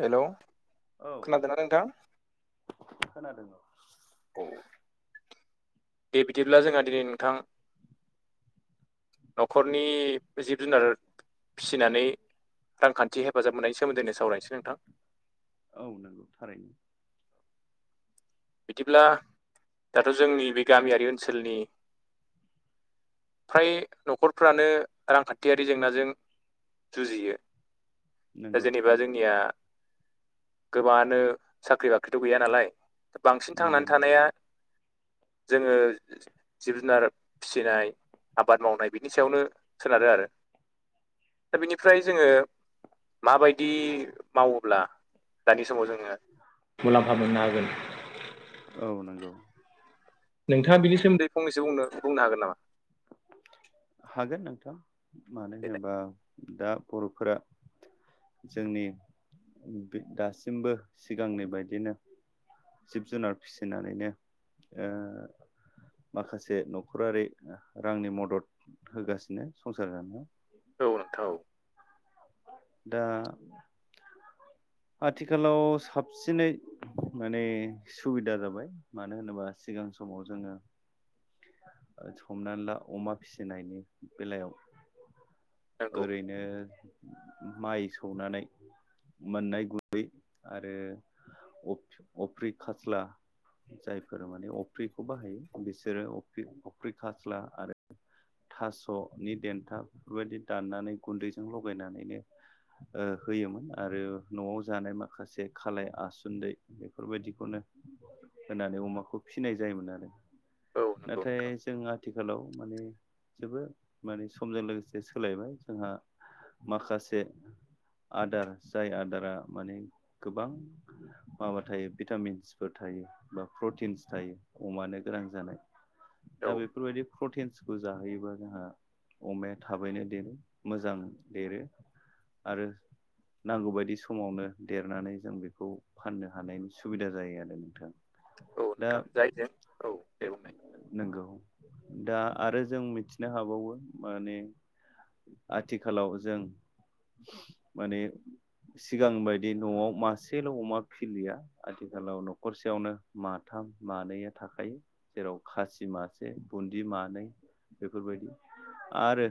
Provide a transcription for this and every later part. Hello औ नोंथां खोनादों औ औ दे बिदिब्ला जोंहा दिनै नोंथां न'खरनि जिब जुनार फिसिनानै रांखान्थि हेफाजाब मोननायनि सोमोन्दैनो सावरायनोसै नोंथां। औ नोंगौ थारैनो। बिदिब्ला दाथ' जोंनि बे गामियारि ओनसोलनि फ्राय नखरफ्रानो रांखान्थियारि जेंनाजों जुजियो। दा नंगौ जेनेबा जोंनिया गोबाङानो साख्रि बाख्रिथ' गैया नालाय। बांसिन नंगौ थांनानै नंगौ थानाया जोङो जिब जुनार फिसिनाय आबाद मावनाय बिनि सायावनो सोनारो आरो दा बिनिफ्राय जोङो माबायदि मावोब्ला दानि समाव जोङो मुलाम्फा मोननो हागोन? औ नोंगौ। नोंथाङा बिनि सोमोन्दै फंनैसो बुंनो बुंनो हागोन नामा? हागोन नोंथां मानो देलाय होनोबा दा बर'फोरा जोंनि बि दासिमबो सिगांनि बायदिनो जिब जुनार फिसिनानैनो ओ माखासे न'खरारि रांनि मदद होगासिनो संसार जानो। औ नोंथा औ दा [inaudible] आथिखालाव साबसिनै माने सुबिदा जाबाय मानो होनोबा सिगां समाव जोङो [inaudible] ओ समनानै ला अमा फिसिनायनि बेलायाव नंगौ ओरैनो माइ सौनानै मोननाय [unintelligible] आरो अफ अफ्रि खाज्ला। जायफोरा माने अफ्रिखौ बाहायो बिसोरो अफ्रि अफ्रि खास्ला आरो थास'नि देन्था बेफोरबायदि दाननानै गुन्दैजों लगायनानैनो ओ होयोमोन आरो नआव जानाय माखासे खालाय आसुन्दै बेफोरबायदिखौनो होनानै अमाखौ फिसिनाय जायोमोन आरो। औ नंगौ नाथाय नोंथां जों आथिखालाव माने जोबोद माने समजों लोगोसे सोलायबाय जोंहा माखासे से आदार जाय आदारा माने गोबां माबा थायो भिटामिन्सफोर थायो। बा प्रटिन्स थायो अमानो गोनां जानाय। औ दा बेफोरबायदिदि प्रटिनसखौ जाहोयोबा जोंहा अमाया थाबैनो देरो मोजां देरो। आरो नांगौबायदि समावनो देरनानै जों बेखौ फाननो हानायनि सुबिदा जायो आरो नोंथां। औ दा नोंथां जायजों औ दे बुंनाय नंगौ दा आरो जों मिथिनो हाबावो माने आथिखालाव जों माने सिगां बायदि न'आव मासेल' अमा फिलिया। आथिखालाव न'खरसेयावनो माथाम मानैया थाखायो। जेराव खासि मासे बुन्दि मानै बेफोरबायदि आरो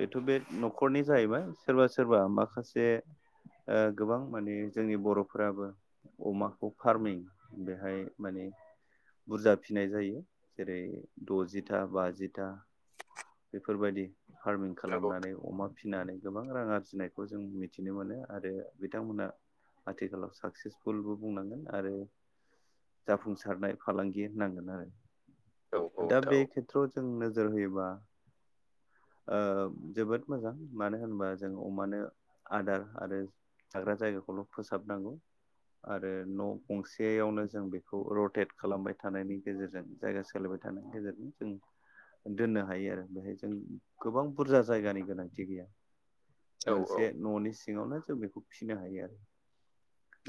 बेथ' बे न'खरनि जाहैबाय सोरबा सोरबा माखासे ओ गोबां माने जोंनि बरफोराबो अमाखौ फार्मिं बेहाय माने बुरजा फिनाय जायो जेरै दजिथा बाजिथा। बेफोरबायदि फार्मिं नंगौ खालामनानै अमा फिनानै गोबां रां आरजिनायखौ जों मिथिनो मोनो आरो बिथांमोना आथिखालाव साक्सेसफुलबो बुंनांगोन आरो जाफुंसारनाय फालांगि होनांगोन आरो। औ औ दा नोंथां बे खेथ्रआव जों नोजोर होयोबा आ जोबोद मोजां मानो होनोबा जों अमानो आदार आरो थाग्रा जायगाखौल' फोसाबनांगौ। आरो न' गंसेयावनो जों बेखौ रटेट खालामबाय थानायनि गेजेरजों जायगा सोलिबाय थानायनि गेजेरजों जों दोननो हायो आरो। बेहाय जों गोबां बुरजा जायगानि गोनांथि गैया। औ औ औ मोनसे न'नि सिङावनो जों बेखौ फिसिनो हायो आरो।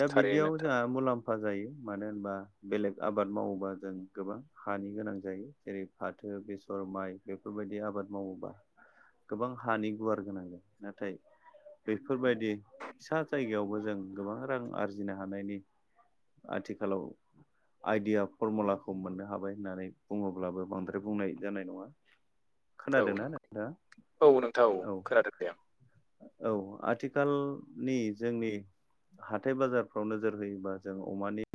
दा थारैनो बिदियाव नोंथां जोंहा मुलाम फा जायो मानो होनबा बेलेग आबाद मावोबा जों गोबां हानि गोनां जायो। जेरै फाथो बेसर माइ बेफोरबायदि आबाद मावोबा। गोबां हानि गुवार गोनां नाथाय बेफोरबायदि फिसा जायगायावबो जों गोबां रां आरजिनो हानायनि आथिखालाव आइडिया फरमुलाखौ मोननो हाबाय होननानै बुङोब्लाबो बांद्राय बुंनाय जानाय नङा। औ खोनादोंना नंगौ नोंथा औ नोंथां औ। खोनादों दे आं औ आथिखालनि जोंनि हाथाय बाजारफ्राव नोजोर होयोबा जों अमानि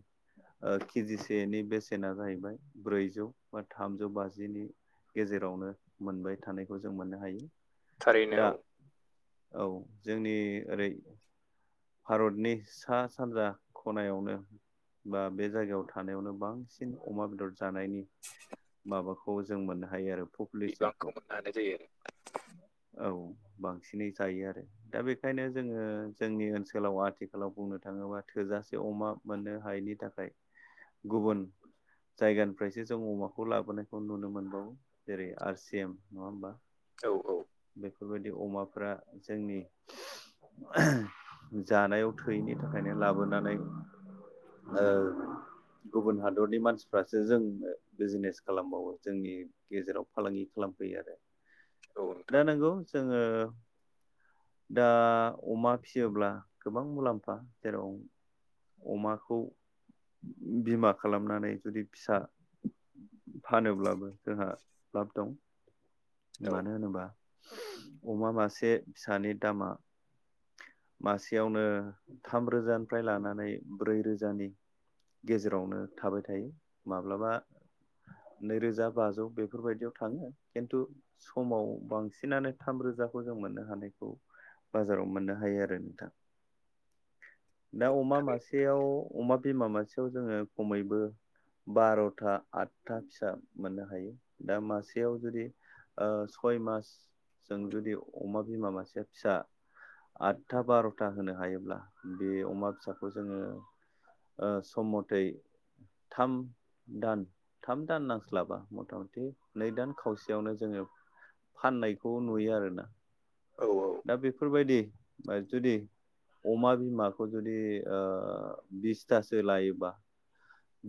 केजिसेनि बेसेना जाहैबाय ब्रैजौ बा थामजौ बाजिनि। गेजेरावनो मोनबाय थानायखौ जों मोननो हायो थारैनो दा औ औ जोंनि ओरै भारतनि सा सानजा खनायावनो बा बे जायगायाव थानायावनो बांसिन अमा बेदर जानायनि माबाखौ जों मोननो हायो आरो बिबांखौ पपुलेसनखौ। मोननो हानाय जायो औ बांसिनै जायो आरो दा बेखायनो जोङो जोंनि ओनसोल आथिखलाव आथिखालाव बुंनो थाङोबा थोजासे अमा मोननो हायैनि थाखाय गुबुन जायगानिफ्रायसो जों अमाखौ लाबोनायखौ नुनो मोनबावो जेरै आर सिएम नङा होमबा औ औ। बेफोरबायदि अमाफोरा जोंनि जानायाव थैयैनि थाखायनो लाबोनानै औ गुबुन हादरनि मानसिफ्रासो जों बिजनेस खालामबावो जोंनि गेजेराव फालांगि खालामफैयो आरो औ नोंथां दा नंगौ जोङो दा अमा फिसियोब्ला गोबां मुलाम्फा जेराव अमाखौ बिमा खालामनानै जुदि फिसा फानोब्लाबो जोंहा लाब दं औ मानो होनोबा अमा मासे फिसानि दामा मासेयावनो थामरोजानिफ्राय लानानै ब्रै रोजानि गेजेरावनो थाबाय थायो माब्लाबा नैरोजा बाजौ बेफोरबायदियाव थाङो खिन्थु समाव बांसिनानो थाम रोजाखौ जों मोननो हानायखौ बाजाराव मोननो हायो आरो नोंथां। दा अमा थारै मासेयाव अमा बिमा मासेयाव जोङो खमैबो बार'था आदथा फिसा मोननो हायो दा मासेयाव जुदि ओ सय मासजों जुदि अमा बिमा मासेया फिसा आदथा बार'था होनो हायोब्ला बे अमा फिसाखौ जोङो सम मथै थाम दान थाम दान नांस्लाबा मथा मथि नै दान खावसेयावनो जोङो फाननायखौ नुयो आरोना। औ औ दा बेफोरबायदि जुदि अमा बिमाखौ जुदि ओ बिसथासो लायोबा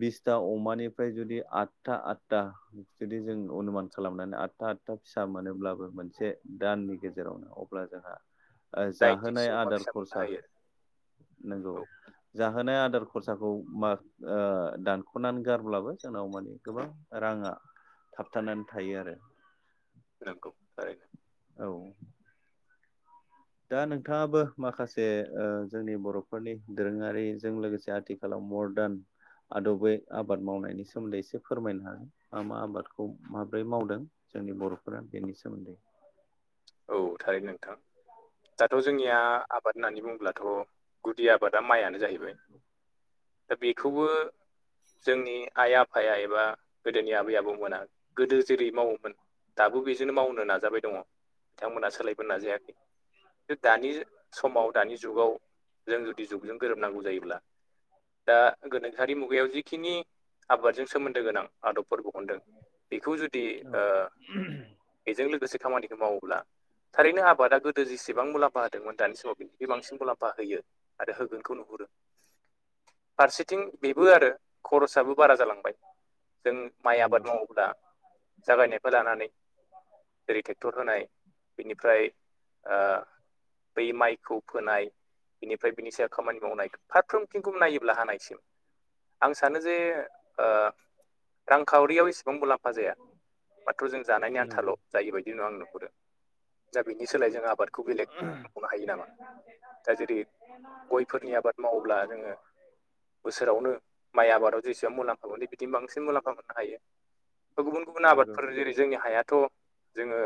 बिसथा अमानिफ्राय जुदि आदथा आदथा जुदि जों अनुमान खालामनानै आदथा आदथा फिसा मोनोब्लाबो मोनसे दाननि गेजेरावनो अब्ला जोंहा जाहोनाय दाइनजिसो अमा आदार फिसा मोननो खरसा हायो नंगौ औ जाहोनाय आदार खरसाखौ मार दानख'नानै गारब्लाबो जोंनाव माने गोबां राङा थाबथानानै थायो आरो नंगौ थारैनो औ दा नोंथाङाबो माखासे ओ जोंनि बर'फोरनि दोरोङारिजों लोगोसे आथिखाल आथिखालाव मरदान आदबै आबाद मावनायनि सोमोन्दै एसे फोरमायनो हागोन मा मा आबादखौ माब्रै मावदों जोंनि बर'फोरा बेनि सोमोन्दै औ थारै नोंथां दाथ' जोंनिया आबाद होननानै बुंब्लाथ गुदि आबादा माइआनो जाहैबाय दा बेखौबो जोंनि आइ आफाया एबा गोदोनि आबै आबौमोना गोदो जेरै मावोमोन दाबो बेजोंनो मावनो नाजाबाय दङ। बिथांमोना सोलायबोन नाजायाखै दानि समाव दानि जुगाव जों जुदि जुगजों गोरोबनांगौ जायोब्ला दा गोनोखोआरि मुगायाव जिखिनि आबादजों सोमोन्दो गोनां आदबफोरबो हनदों बेखौ जुदि औ ओ बेजों लोगोसे खामानिखौ मावो ला थारैनो आबादा गोदो जेसेबां मुलाम्फा होदोंमोन दानि समाव बिनिसे बांसिन मुलाम्फा होयो आरो होगोनखौ नुहुरो फारसेथिं बेबो आरो खरसाबो बारा जालांबाय जों माइ नंगौ आबाद मावोब्ला जागायनायनिफाय लानानै जेरै ट्रेक्टर होनाय बिनिफ्राय ओ बै माइखौ फोनाय बेनिफ्राय बिनि सायाव खामानि मावनाय फारफ्रोमथिंखौ नायोब्ला हानायसिम आं सानो जे ओ रांखावरियाव एसेबां मुलाम्फा खाजाया बाथ' जों जानायनि नंगौ आन्थाल' जायो बायदि आं नुहरो। दा बिनि सोलाय जों आबादखौ बेलेग मावबावनो हायो नामा दा जेरै गयफोरनि आबाद मावब्ला जोङो बोसोरावनो माइ आबादाव जेसेबां मुलामफा मोनदों बिदिनो बांसिन मुलाम्फा मोननो हायो। गुबुन गुबुन नंगौ आबादफोर जेरै जोंनि हायाथ' जोङो।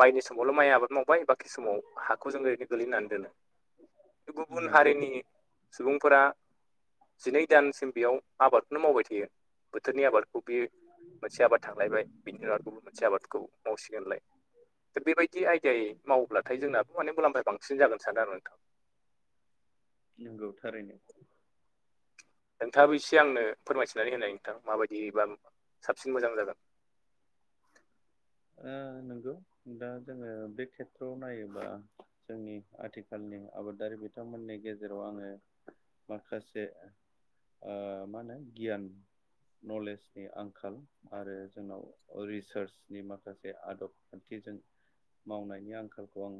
बायनि समावल' माइ आबाद मावबाय बाखि समाव हाखौ जों ओरैनो गोलैनानै दोनो गुबुन नंगौ हारिनि सुबुंफोरा जिनै दानसिम बेयाव आबादखौनो मावबाय थायो बोथोरनि आबाद। कबि मोनसे आबाद थांलायबाय बिनि उनाव गुबुन मोनसे आबादखौ मावसिगोनलाय। दा बेबायदि आयदायै मावोब्लाथाय जोंनाबो माने मुलामफाया बांसिन जागोन सार आरो नोंथां। नोंगौ थारैनो। नोंथाङाबो एसे आंनो फोरमायथिनानै होनाय नोंथां माबायदिबा साबसिन मोजां जागोन। ओ नंगौ दा जोङो बे खेथ्रआव नायोबा जोंनि आथिखालनि आबादारि बिथांमोननि गेजेराव आङो माखासे मा होनो ओ गियान नलेजनि आंखाल आरो जोंनाव रिसार्च नि माखासे आदब खान्थिजों मावनायनि आंखालखौ आं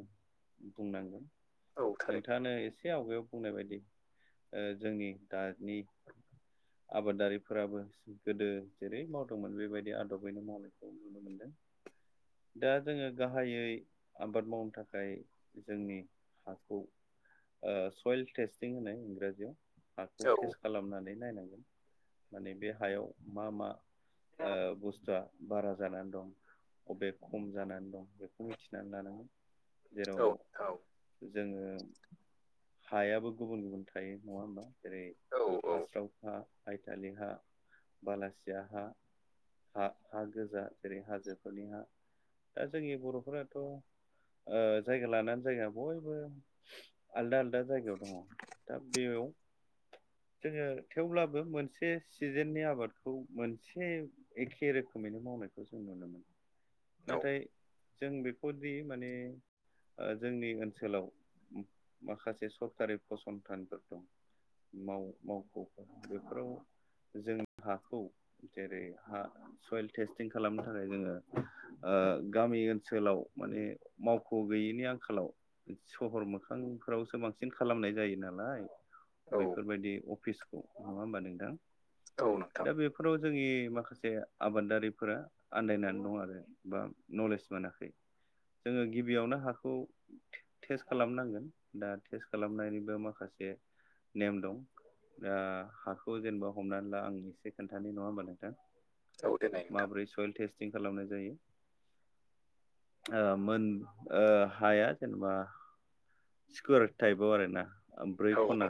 बुंनांगोन औ थारैनो नोंथाङानो एसे आवगायाव बुंनाय बायदि ओ जोंनि दानि [inaudible] आबादारिफोराबो गोदो जेरै मावदोंमोन बेबायदि आदबैनो मावनायखौ नुनो मोनो। दा जोङो गाहायै आबाद मावनो थाखाय जोंनि हाखौ ओ सयल टेस्टिं होननाय इंराजियाव हाखौ औ टेस्ट खालामनानै नायनांगोन माने बे हायाव मा मा? ओ बुस्थुआ बारा जानानै दं अबे खम जानानै दं। बेखौ मिथिनानै लानांगोन जेराव औ औ जोङो हायाबो गुबुन गुबुन थायो नङा होमबा जेरै औ औ हास्राव हा आइटालि हा बालासिया हा हा गोजा जेरै हा जोफोरनि हा दा जोंनि बर'फोराथ' ओ जायगा लानानै जायगा बयबो आलदा आलदा जायगायाव दङ दा बेयाव जोङो थेवब्लाबो मोनसे सिजेननि आबादखौ मोनसे एखे रोखोमैनो मावनायखौ जों नुनो मोनो। नाथाय जों बेफोरदि माने ओ जोंनि ओनसोलाव माखासे सरखारि फसंथानफोर दं। माव मावख' बेफोराव जों हाखौ जेरै हा सयल टेस्टिं खालामनो थाखाय जोङो ओ गामि ओनसोलाव माने मावख' गैयिनि आंखालाव सहर मोखांफोरावसो बांसिन खालामनाय जायो नालाय। औ बैफोरबायदि अफिसखौ नङा होमबा नोंथां? औ नोंथां। दा बेफोराव जोंनि माखासे आबादारिफोरा आन्दायनानै। दं आरो बा नलेज मोनाखै जोङो गिबियावनो हाखौ टेस्ट खालामनांगोन दा टेस्ट खालामनायनिबो माखासे नेम दं। दा हाखौ जेनेबा हमनानै ला आं एसे खोन्थानि नङा होमबा नोंथां। औ देनाय नोंथां माब्रै सयेल टेस्टिं खालामनाय जायो। ओ मोन ओ हाया जेनेबा स्कुवार टाइपाव आरोना ब्रै औ खना।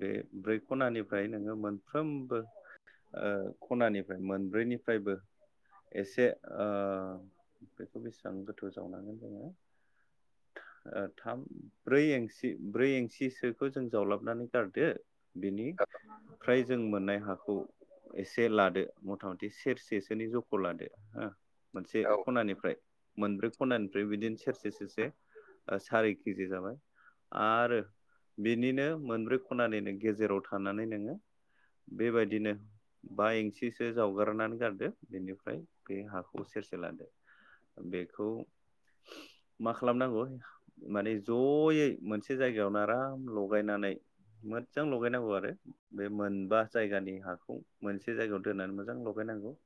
बे ब्रै खनानिफ्राय नोङो मोनफ्रोमबो ओ खनानिफ्राय मोनब्रैनिफ्रायबो एसे ओ बेखौ बेसेबां गोथौ जावनांगोन जोङो ओ थाम ब्रै एंसि ब्रै एंसिसोखौ जों जावलाबनानै गारदो बेनि फ्राय जों मोननाय हाखौ एसे लादो मथा मथि सेरसेसोनि जख' खौ लादो हो मोनसे औ खनानिफ्राय। मोनब्रै खनानिफ्राय बिदिनो सेरसे सेरसे सारि केजि जाबाय। आरो बिनिनो मोनब्रै खनानिनो गेजेराव थानानै नोङो बेबायदिनो बा एंसिसो जावगारनानै गारदो बेनिफ्राय ओमफ्राय बे हाखौ सेरसे लादो बेखौ मा खालामनांगौ माने जयै मोनसे जायगायावनो आराम लगायनानै मोजां लगायनांगौ आरो। बे मोनबा जायगानि हाखौ मोनसे जायगायाव दोननानै मोजां लगायनांगौ।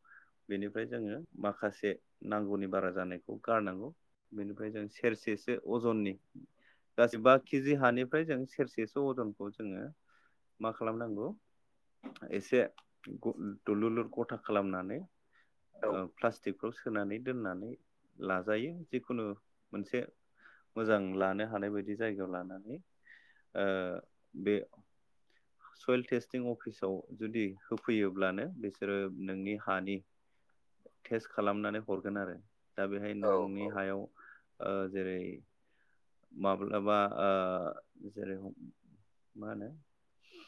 बेनिफ्राय जोङो माखासे नांगौनि बारा जानायखौ गारनांगौ। बेनिफ्राय जों सेरसेसो अजननि गासै बा केजि हानिफ्राय जों सेरसेसो अजनखौ जोङो मा खालामनांगौ एसे दुलुरलुर गथा खालामनानै औ ओ प्लास्टिकफ्राव सोनानै दोननानै लाजायो जिखुनु मोनसे मोजां लानो हानाय बायदि जायगायाव लानानै ओ बे सयेल टेस्टिं अफिसाव जुदि होफैयोब्लानो बिसोरो नोंनि हानि टेस्ट खालामनानै हरगोन आरो दा बेहाय औ नोंनि औ हायाव ओ जेरै माब्लाबा ओ जेरै मा होनो